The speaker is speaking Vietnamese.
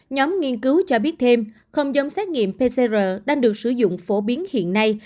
nhóm nghiên cứu cho biết thêm không giống xét nghiệm pcr đang được sử dụng phổ biến hiện nay